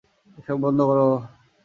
এসব বন্ধ কর!